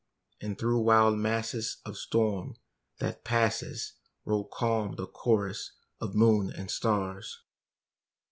And through wild masses of storm, that passes, Roll calm the chorus of moon and stars.